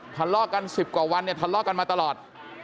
ทะเลาะกัน๑๐กว่าวันเนี่ยทะเลาะกันมาตลอด